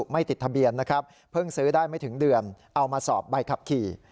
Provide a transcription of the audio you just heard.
ไม่ติดทะเบียนนะครับเพิ่งซื้อได้ไม่ถึงเดือนเอามาสอบใบขับขี่